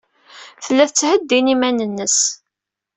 Tella tettheddin iman-nnes.